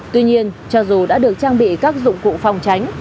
tuy nhiên cho dù đã được trang bị các dụng cụ phòng tránh